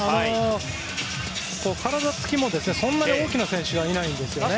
体つきも、そんなに大きな選手はいないんですよね。